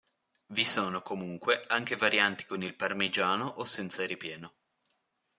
Vi sono comunque anche varianti con il parmigiano o senza ripieno.